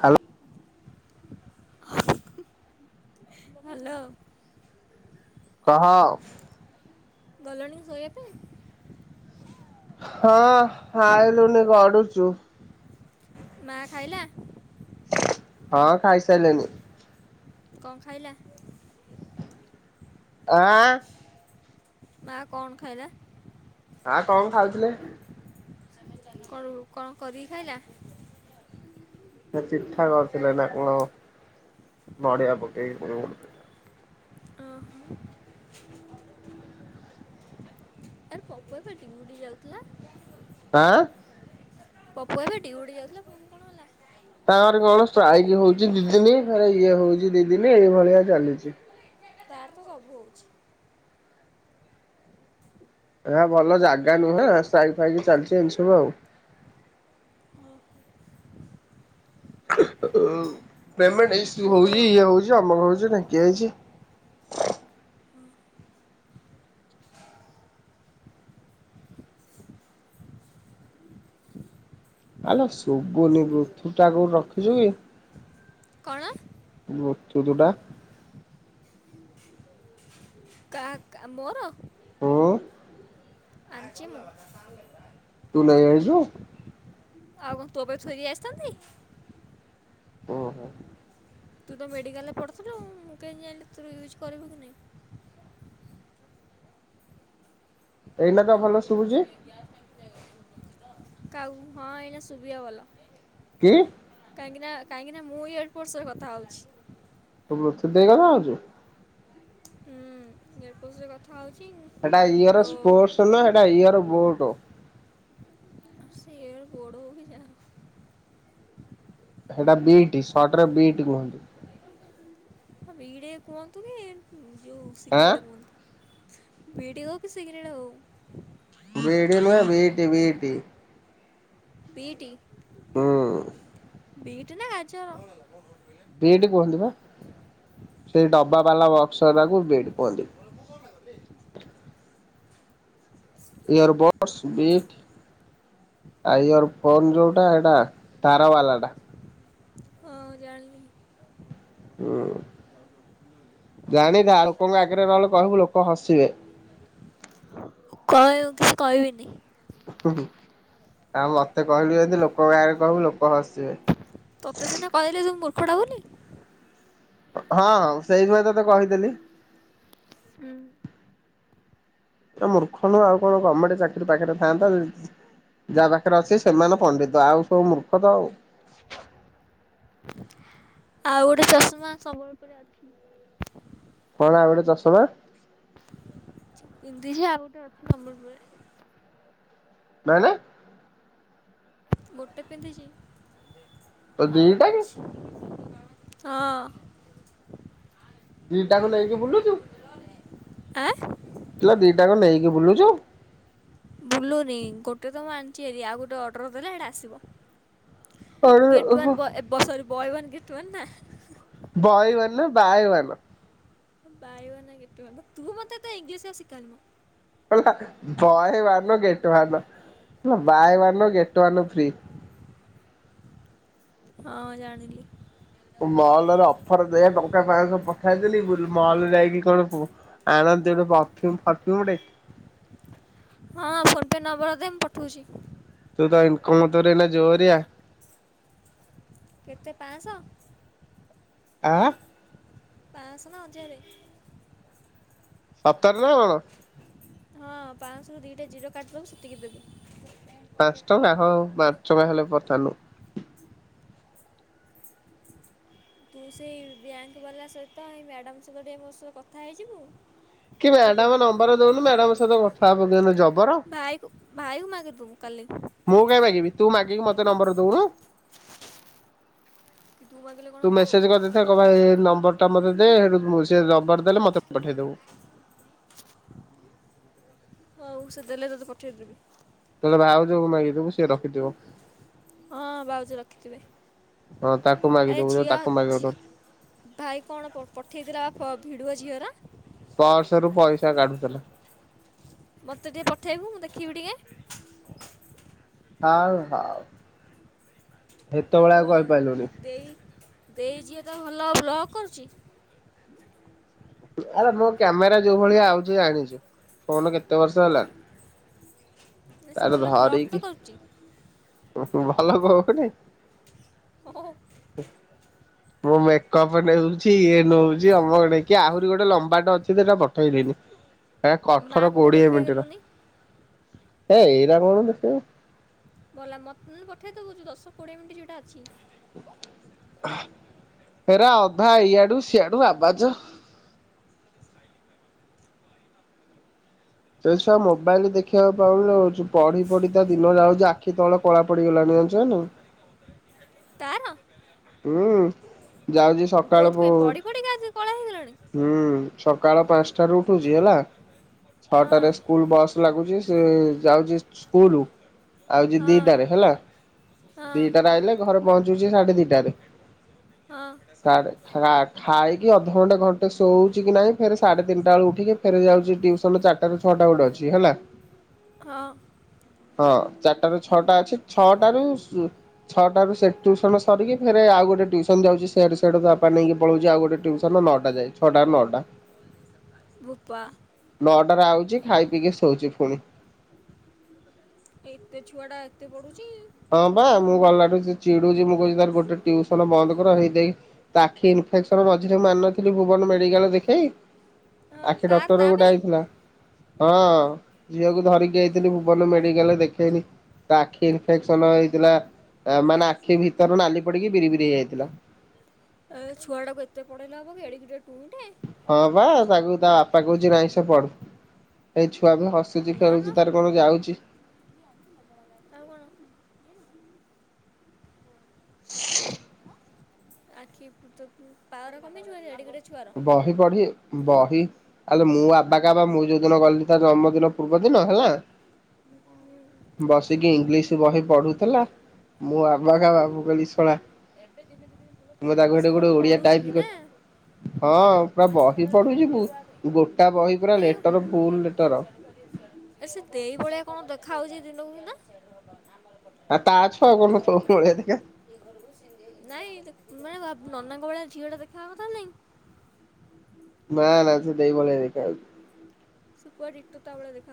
ହ୍ୟାଲ। Hello. କହ। ଗଲଣି ଶୋଇବା ପାଇଁ? ହଁ ଆଇଲୁନି ଗଡୁଚୁ। ମା ଖାଇଲା? ହଁ ଖାଇସାରିଲେଣିି। କଣ ଖାଇଲା? ଆଁ ମା କଣ ଖାଇଲା? ଆଁ କଣ ଖାଉଥିଲେ? [unintelligible] କଣରୁ କଣ କରିକି ଖାଇଲା? ସେ ପିଠା କରିଥିଲେ ନା କଣ ନଡିଆ ପକେଇକି [unintelligible] ଓହୋ ଉପା ବା ଡ୍ୟୁଟି ଯାଉଥିଲା। ଆଁ। ପପୁ ଭାଇ ପା ଡ୍ୟୁଟି ଯାଉଥିଲା ଫୁଣି କଣ ହେଲା? ତାଙ୍କର କଣ ଷ୍ଟ୍ରାଇକ ହୋଉଚି ଦି ଦିନି ଫେରେ ଇଏ ହୋଉଚି ଦି ଦିନି ଏଇଭଳିଆ ଚାଲିଚି। ତାର ତ ସବୁ ହୋଉଚି। ଏରା ଭଲ ଜାଗା ନୁହେଁ ସାଇଜି ଫାଇକି ଚାଲିଚି ଏମିତି ସବୁ ଆଉ। [unintelligible] ପେମେଣ୍ଟ୍ ଇସୁ ମୋର ହୋଉଚି ଇଏ ହୋଉଚି ଅମକ ହୋଉଚ ଢିଙ୍କି ହେଇଚି। [unintelligible] ଆଲୋ ସୁଗୁନି ବ୍ଲୁଟୁଥ୍ ଟା କୋଉଠି ରଖିଲି। କଣ? ବ୍ଲୁଟୁଥ୍ ଟା କା କା ମୋର? ହୁଁ। ଆଜିି ମୁଁ ତୁ ନେଇ ଆଇଛୁ? ଆଉ କଣ ତୋ ପାଇଁ ଥୋଇଦେଇ ଆସିଥାନ୍ତି? ଓ ହୋ! ତୁ ତ ମେଡିକାଲ ରେ ପଡୁଥିଲୁ ମୁଁ କେମିତି ଜାଣିଲି ତୁ ତୋର ୟୁଜ କରିବୁ କି ନାଇଁ। ଏଇନା ତ ଭଲ ଶୁଭୁଛି। କାଉ ହଁ ଏଇନା ଶୁଭିବ ଭଲ। କି? କାହିଁକି ନା କାହିଁକି ନା ମୁଁ ଇଅର୍ ପୋର୍ଟ ସହ କଥା ହଉଛି। ତୁ ବ୍ଲୁଟୁଥ୍ ହେଇ ଗଲା ଆଉ କଣ? ହୁଁ [inaudible] କଥା ହଉଛି ଏଟା ଇଅର ସ୍ପୋର୍ଟସ ନୁହଁ ଏଟା ଇଅର ବୋଟ। ସେ ଇଅର ବୋଡ ହଉ କି ଯାହା ହଉ। ସେଟା ବିଇଟି [unintelligible] ବିଇଟି କୁହନ୍ତି। ହଁ ବିଡି କୁହନ୍ତୁ କି ଯୋଉ ଆଁ ସିଗରେଟ୍ କୁହନ୍ତୁ। ବି ଡ଼ି ହଉ କି ସିଗରେଟ୍ ହଉ। ବି ଡ଼ି ନୁହେଁ ବିଟି ବିଟି। ବି ଟି ହୁଁ। ବିଟ୍ ନା ଗାଜର? ବିଟ୍ କୁହନ୍ତି ବା ସେ ଡବା ବାଲା ବକ୍ସକୁ ହେବାକୁ ବିଟ୍ କୁହନ୍ତି। ଇୟରବୋଟସ୍ ବିଟ୍ ଆର ଫୋନ ଯୋଉଟା ଏଇଟା ତାରା ବାଲା ଟା। ହଁ ଜାଣିଲି ହଁ। ଜାଣିଥା ଲୋକଙ୍କ ଆଗରେ ନହେଲେ କହିବୁ ଲୋକ ହସିବେ। କ କହିବିନି ଆଉ ମତେ କହିଲୁ ଯଦି ଲୋକ ଗାଁରେ କହିବୁ ଲୋକ ହସିବେ ତତେ ସିନା କହିଲେ ତ ମୂର୍ଖଟା ବୋଲି। ହଁ ସେଇଥି ପାଇଁ ତତେ କହିଥିଲି। ହୁଁ ଆ ମୂର୍ଖ ନୁହଁ ଆଉ କଣ ଗମେଣ୍ଟ ଚାକିରି ଫାକିରୀ ପାଖରେ ଥାନ୍ତା ଯାହା ପାଖରେ ଅଛି ସେମାନେ ପଣ୍ଡିତ ଆଉ ସବୁ ମୂର୍ଖ ତ ଆଉ। ଆଉ ଗୋଟେ ଚଷମା ସବୁ କଣ ଗୋଟେ ଚଷମା [unintelligible] ସମ୍ବଲପୁରରେ ନାଇଁ ନାଇଁ। ଗୋଟେ ପିନ୍ଧିଛି ତୋ ଆଉ ଦିଟା ଗୋଟେ କି ଅଛି। ହଁ। ଦି ଟାଙ୍କୁ ନେଇକି ବୁଲୁଚୁ। ଆଁ। ଇଲୋ ଦିଟା ଙ୍କ ନେଇକି ବୁଲୁଚୁ। ଭୁଲୁନି ଗୋଟେ ତ ମୁଁ ଆଣିଛି ହାରି ଆଉ ଗୋଟେ ଅର୍ଟର କଲେ ସେଟା ଆସିବ। ଆରେ ଗେଟ ଓହୋ one boy sorry ବୟନ୍ gate one ନା? ବୟୱାନ ନା ବାଏୱାନ। ବାୟୱାନ ଗେଟୱାନ ତୁ ମତେ ଏତେ ଇଂଲିଶ ଆଉ ସିକାନି। କହିଲା ବୟୱାନ ଗେଟୱାନ। ବାୟ ୱାନ୍ ଗେଟ ୱାନ୍ ଫ୍ରୀ। ହଁ ଜାଣିଲି। ମହଲରେ ଅଫର ଦେ ଟଙ୍କା ପାଇବୁ। ପ ଖାଇଦେଲି ବୁଲ ମଲ ଯାଇକି କଣ ଆଣନ୍ତି ଗୋଟେ ପରଫିଉମ ଫରଫିଉମ ଟେ। ହ ହଁ ଫୋନ୍ ପେ ନମ୍ବର ଦେ ପଠଉଛି। ତୁ ତ ଇନକମ ତୋର ଏଇନା ଜୋରିଆ। କେତେ ପାଆଁଶହ। ଆ। ପାଆଁସ ନା ହଜାରେ। ସତରେ ନା କଣ? ହଁ ପାଆଁଶହ ର ଦିଟା ଜିରୋ କାଟିଦବୁ ସେତିକି ଦେବି। ପାଞ୍ଚ ଟଙ୍କା ହ ପାଞ୍ଚ ଟଙ୍କା ହେଲେ ପଠାନୁ। ତୁ ସେଇ ବ୍ୟାଙ୍କ ବାଲା ସହିତ ଏଇ ମ୍ୟାଡ଼ ସହିତ ଟିକେ ମୋ ସହ କଥା ହେଇଯିବୁ। ମୁଁ କି ତୋତେ ମ୍ୟାଡାମ ଦେବି ନମ୍ବର ଦଉନୁ ମ୍ୟାଡାମ ସହିତ କଥା ହବ କିଏ? ଜ ଭାଇକୁ ଭାଇକୁ ମାଗି ଦବୁ କାଲି। ମୁଁ କାଇଁ ମାଗିବି ତୁ ମାଗିକି ମତେ ନମ୍ବର ଦଉନୁ। ତୁ ମାଗିଲେ କ'ଣ ତୁ ହେବ କି ମେସେଜ କରିଦେଇଥା କ ଭାଇ ଏ ନମ୍ବର ର ଟା ମତେ ଦେ ହେଠୁ ସେ ରବର ଦେଲେ ମତେ ପଠେଇଦବୁ। ହଉ ସେ ଦେଲେ ତତେ ପଠେଇଦେବି। ନହେଲେ ଭାଉଜକୁ ମାଗିଦବୁ ସିଏ ରଖିଥିବ। ହଁ ଭାଉଜ ରଖିଥିବେ। ହଁ ତାକୁ ଆରେ ମାଗିଦବୁ ଝିଅ ତାକୁ ଝି ମାଗିବୁ ଭାଇ କଣ ପ ପଠେଇଥିଲା। ଫୋ ଭିଡୁଅ ଝିଅର। ପଶରୁ ପଇସା କାଢୁଥିଲା। ମତେ ଟିକେ ପଠେଇବୁ ମୁଁ ଦେଖିବି ଟିକେ। ହଉ ହଉ। ହେତେବେଳେ ଆଉ କହିପାରିଲୁନି ଦେଇ ଦେଇ ଝିଅ ତ ଭଲ ବ୍ଲକ୍ କରୁଛି। ଆରେ ମୋ କ୍ୟାମେରା ଯୋଉ ଭଳିଆ ଆଉଚି ଜାଣିଛୁ। ଫୋନ କେତେ ବର୍ଷ ହେଲାଣି। ସେ ତାର ଭଲ ବ୍ଲଗ୍ ତ ଧରକି କରୁଛି ଭଲ କରୁନେଇଁ। ହଁ। ମୁଁ ମେକପ୍ ନେଉଛି ଇଏ ନଉଚି ଅମଆଡେ କି ଆହୁରି ଗୋଟେ ଲମ୍ବାଟେ ଅଛି ଯେ ସେଇଟା ପଠେଇଦେଇନି। କଠର ମାଆକୁ ଟିକେ କୋଡିଏ ଦେଖେଇ ମିନିଟର ଦେଲୁନି ହେ ଏଇରା କଣ ଦେଖିବୁ। ବଲା ମତେ ନହେନେ ପଠେଇଦବୁ ଦଶ କୋଡିଏ ମିନିଟ ଯୋଉଟା ଅଛି। ହେରା ଅଧା ଇଆଡୁ ଶିଆଡୁ ଆବାଜ। ସେ ଛୁଆ ମୋବାଇଲ ଦେଖିବାକୁ ପାଉନୁ ପଢି ପଢି ତା ଦିନ ଯାଉ ଆଖି ତଳ କଳା ପଡିଗଲାଣି ଜାଣିଚନା ନାଇଁ। ତାର? ହୁଁ। ଯାଉଛି ସକାଳ ହୁଁ କେଉଁଥିପାଇଁ ପଢ଼ି ପଢ଼ିକା ଆଜି କଳା ହେଇଗଲାଣି ସକାଳ ପାଞ୍ଚଟ। ଉଠୁଛି ହେଲା ହଁ ଛଅଟାରେ ସ୍କୁଲ ବସ୍ ଲାଗୁଛି ସେ ଯାଉଛି ସ୍କୁଲ ଜା ଆଉଛି ହଁ ଦିଟାରେ ହେଲା ହଁ ଦିଟାରେ ଆଇଲେ ଘରେ ପହଞ୍ଚୁଛି ସାଢେ ଦିଟାରେ। ହଁ ହ ଛାଡ଼େ ଖା ଖାଇକି ଅଧଘଣ୍ଟେ ଘଣ୍ଟେ ଶୋଉଛି କି ନାହିଁ ଫେ ସାଢେ ତିନିଟା ବେଳ ଉଠିକି ଫେରେ ଯାଉଛି। ଟଟିସନ ର ଚାରଟ ର ଛଅଟା ଗୋଟେ ଅଛି ହେଲା। ହଁ। ହଁ ଚାରିଟ ରୁ ଛଅଟା ଅଛି ଛଅଟାରୁ ଛଅଟାରୁ ସେତୁ ସନ ସରିକି ଫେ ଆଉ ଟୁସନ ଯାଉଛି ସେଆଡୁ ତାପା ନେଇକି ପଳଉଛି ଆଉ ଗୋଟେ ଟୁନ ନଅା ଯାଏ ଛଟା ନଅଟା। [inaudible] ରୂପା। ଛି ଖାଇ ପିଇକି ଶଉଛି ପୁଣି। ଏତେ ଛୁଆ ଟା ଏତେ ପଢୁଛି? ହଁ ବା ମୁଁ ଗଲାଠୁ ଚିଡୁଛି ମୁଁ କହୁଛି ତାର ଗୋଟେ ଟଉସନ ବନ୍ଦ କର ହେଇକି ତା ଆଖି ସନ ମଝିରେକୁ ମାରିନଥିଲି ଭୁବନ ମେଡାଲ ଦେଖଇ। ହଁ ଆଖି ତାର ଡକ୍ଟର ତା ଗୋଟେ ଆ ପାଇଁ ଇଥିଲା। ହଁ ଝିଅକୁ ଧରିକି ଯାଇଥିଲି ଭୁବନ ମେଡିକାଲରେ ଦେଖେଇନି ଟା ଆଖି ଆଖେଇନି ହେଇଥିଲା ମାନେ ଆଖି ଭିତର ନାଲି ପଡିକି ବିରି ବିରି ହେଇଯାଇଥିଲା। ଏ ଛୁଆ ଟାକୁ ଏତେ ପଢେଇଲେ ହେବ କି ଏଡ଼ିକି ଟୁଇଁଟେ ହଁ ବା ତାକୁ ତା ବାପା କହୁଛି ନାହିଁ ସେ ପଢୁ, ହେଇଛୁ ଛୁଆ ବି ହସୁଛି ନା ମ ଖେଳୁଛି ତାର କଣ ଯାଉଛି? ଆଉ କ'ଣ [inaudible] ଆଖି ପ ତ ପାୱାର କମି ଯିବ ଅଡ଼ିକ ଏଡ଼ିକି ଛୁଆର ବହି ପଢ଼ୀ ବହି ଆଲେ ମୁଁ ଆବା କା ବା ମୁଁ ଯୋଉଦିନ ଗଲି ତା ଜନ୍ମଦିନ ପୂର୍ବ ଦିନ ହେଲା। ବସିକି ଇଂଲିଶ ବହି ପଢୁଥିଲା ମୁଁ ଆବାକାବା ମୁ କହିଲି ଶଳା ମୁ ତାକୁ ସେ ହେଟୁ ଭଲ ଗୋଟେ ଓଡିଆ ପଢ଼ୁଛି ବି ଟାଇପ ନା ହଁ ପୁରା ବହି ପଢୁଛି ଗୁ ଗୋଟା ବହି ପୁରା ଲେଟର ଭୁଲ ଲେଟର। [inaudible] ଏ ସେ ଦେଇ ଭଳିଆ କଣ ଦେଖା ହାଉଛି ଦିନକୁ ଦିନ। ଆ ତା ଛୁଆ କନ୍ ତୋ ଭଳିଆ ଦେଖା ହେ ନାଇଁ ମାନେ ଭାବ- ନନାଙ୍କ ଭଳିଆ ଝିଅ ଟା ଦେଖା ହବ ନା ନାଇ? ନା ନା ସେ ଦେଇ ଭଳିଆ ଦେଖା ଯାଉଛି। ସୁୂପର୍ ଡିଟୋ ତା ଭଳିଆ ଦେଖା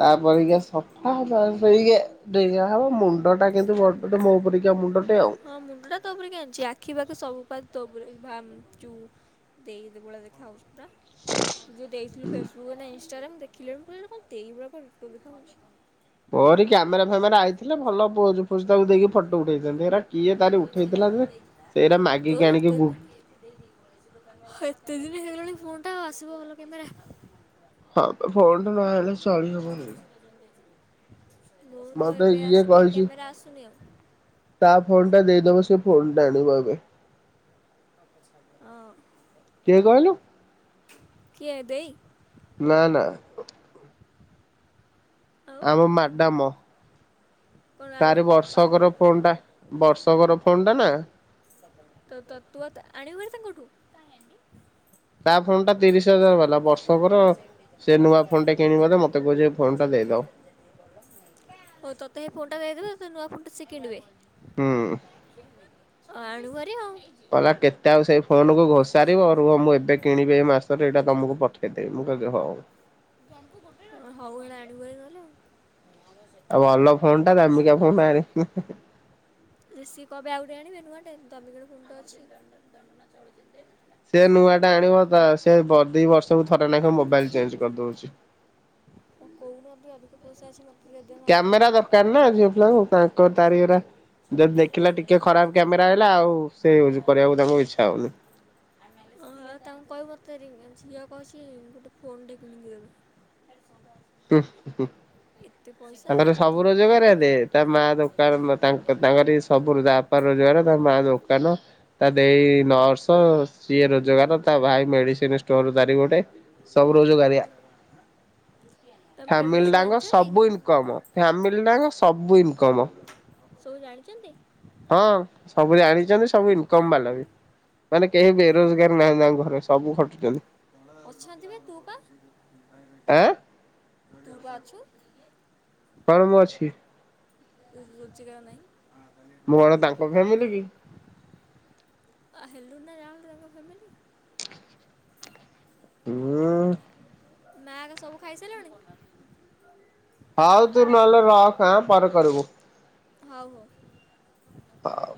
ତାପରିକା ସଫା ଆଉ ତାପରିକା ଡେଙ୍ଗା ହେବ ମୁଣ୍ଡ ଟା କିନ୍ତୁମୋ ପରିକା ମୁଣ୍ଡ। ହଁ ମୁଣ୍ଡ ଟା ତୋ ପରିକା ଆଣିଛି ଆଖି ପାଖି ସବୁ ପା ତୋ ପରିକା। ଭ ତୁ ଦେଇ ଭଳିଆ ଦେଖା ହଉଛି ପୁରା ତୁ ଯୋଉ ଦେଇଥିଲୁ ଫେସବୁକ୍ ରେ ଏଟା ଇନ୍ସ୍ ସେରା ମୁ ଦେଖିଲା ବେଳୁ ମୁଁ କହିଲି ଦେଇ ଭଳିଆ ଡିଟୋ ଦେଖାଯାଉଛି। ମୋରି କ୍ୟାମେରା ଫ୍ୟାମେରା ଆଇଥିଲେ ଭଲ ପୋଜ ଫୋଜ ତାକୁ ଦେଇକି ଫଟୋ ଉଠେଇଥାନ୍ତି, ହେରା କିଏ ତାରି ଉଠେଇଥିଲା ଯେ ସେଇଟା ତୋର ମାଗିକି ଆଣିକି ଏତେ ବୁ ଦିନ ଏତେ ଦିନ ହେଇଗଲାଣି ଫୋନ୍ ଟା ଆସିବ ଭଲ କୋମେରା। ହଁ ଫୋନ ଟ ନ ଆଲେ ଚଳି ହବନି। ମୁଁ ତ ମତେ ଏବେ ଇଏ ଆସିକି କହିଛି କ୍ୟାମେରା ଆସୁନି ଆଉ। ତା ଫୋନ୍ ଟା ଦେଇଦବ ସେ ଫୋନ୍ ଟା ଆଣିବ ଏବେ। ହଁ। କିଏ କହିଲୁ? କିଏ ଦେଇ ନା ନା। ଆଉ ଆମ ମାଡାମ। କ'ଣ ଆଉ ଗୋଟେ ତାର କ- ଆଉ ଗୋଟେ ବର୍ଷକର ଫୋ ଫୋନ୍ ଟା ବର୍ଷକର ଫୋନ୍ ଟା ନା। ତ- ତ- ତୁ ଆଉ ଆଣିିବୁନି ତାଙ୍କଠୁ? ହ ତା ଫୋନ୍ ଟା ତିରିଶ ହଜାର ବାଲା। ବର୍ଷକର ସେ ନୂଆ ଫୋନ ଟା କିଣିବ ବୋଲି ମତେ କହୁଛ ଫୋନ୍ ଟା ଦେଇଦବ। ଓ ତତେ ଏଇ ଫୋନ ଟା ଦେଇଦେବେ, ସେ ନୂଆ ଫୋନ ଟା ସେ କିିଣିବେ? ହୁଁ। ଅ ଆଣୁ ଭାରି ଆଉ। କହିଲା କେତେ ଆଉ ସେଇ ଫୋନ କୁ ଘୋଷାରିବ, ରୁହ ମୁଁ ଏବେ କିଣିବି ଏଇ ମାସରେ ଏଇଟା ତମକୁ ପଠେଇଦେବି। ମୁଁ କହିଲି ହଉ। ହଉ ହେଲା ଆଣିବ ଭାରି ନହେଲେ ଆଉ। ଆଉ ଅଲ ରିଷିକି କଣ ପାଇଁ ଆଉ ଗୋଟେ ଆଣିବେ ନୂଆଟେ। ତମେ କିଣିବ ଫୋନ୍ ତ ଅଛି। ସେ ନୂଆ ଟା ଆଣିବ ତ ସେ ବ ଦି ବର୍ଷ ଥରେ ନେଖା ମୋବାଇଲ ଚେଞ୍ଜ କରିଦଉଛି। କେଉଁଠୁ ଅଧିକ ଅଧିକ ପଇସା ଅଛି ଦେଇଦେ ମୋ କ୍ୟାମେରା ଆକାଉଣ୍ଟକୁ ଦରକାର ନା ଝିଅ ପିଲାଙ୍କୁ ତ ଏକର ତାରିଗରା ଯଦି ଦେଖିଲା ଟିକେ ଖରାପ କ୍ୟାମେରା ଆଇଲା ଆଉ ସେ ୟୁଜ କରିବାକୁ ତାକୁ ଇଚ୍ଛା ହଉନି। ହଁ ଆଉ ତାଙ୍କୁ କହିବ ତା ରି ଝିଅ କହୁଛି ଗୋଟେ ଫୋନ୍ ଟେ କିଣିବି ଏବେ। ହୁଁ - ହୁଁ। ଏତେ ଆଉ ତାଙ୍କର ମୋତେ ସବୁ ମୋତେ ଦେଇଟା ରୋଜଗାରିଆ ଦେ ଯେ ତା ମା ଦୋକାନ ତାଙ୍କର ତାଙ୍କର ବି ସବୁ ରୋଜ ତା ବାପା ରୋଜଗାର। ତା ମା ଦୋକାନ ତା ଦେଇ ନର୍ସ ସିଏ ରୋଜଗାର ତା ଭାଇ ମେଡିସିନ ଷ୍ଟୋର [unintelligible] ଗୋଟେ ସବୁ ରୋଜଗାରିଆ। ତମ ଫ୍ୟାମିଲି ଫ୍ୟାମିଲ ସବୁ ଟାଙ୍କ ଜାଣିଛନ୍ତି? ସବୁ ଇନକମ ଫ୍ୟାମିଲ ଟାଙ୍କ ସବୁ ଇନକମ। ସବୁ ଜାଣିଛନ୍ତି? ହଁ ସବୁବେଳେ ଆଣି ସବୁ ଇନକମ ବାଲା ବି ମାନେ କେହି ବେରୋଜଗାର ନାହାଁନ୍ତି ତାଙ୍କ ଘରେ ସବୁ ଖଟୁଛନ୍ତି। ଅଛନ୍ତି ବା ତୁ ବା। ଆଁ ତୁ ବା ଅଛୁ। କଣ ମୁଁ ଅଛି। ରୋଜଗାର ନାହିଁ। ମୋ କଣ ତାଙ୍କ ଫ୍ୟାମିଲି କି? ହେଲୁ ନା ରାହୁଲ ତାଙ୍କ ଫ୍ୟାମିଲି ହୁଁ। ମା ହେକା ସବୁ ଖାଇସାରିଲଣି? ହଉ ତୁ ନହେଲେ ରଖେ ଏଁ ପରେ କରିବୁ। ହଉ ହଉ। ହଉ।